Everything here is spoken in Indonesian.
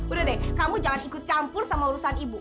udah deh kamu jangan ikut campur sama urusan ibu